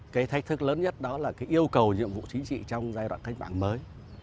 cái thách thức lớn nhất đó là cái yêu cầu nhiệm vụ chính trị trong giai đoạn cách mạng mới